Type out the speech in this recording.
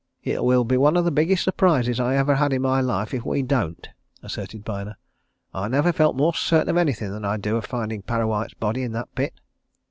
"It will be one of the biggest surprises I ever had in my life if we don't!" asserted Byner. "I never felt more certain of anything than I do of finding Parrawhite's body in that pit!"